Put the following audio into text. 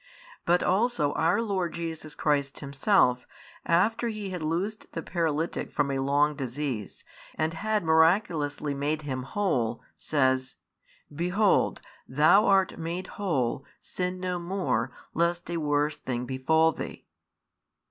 But also our Lord Jesus Christ Himself, after He had loosed the paralytic from a long disease, and had miraculously made him whole, says: Behold, thou art made whole: sin no more, lest a worse thing befal thee.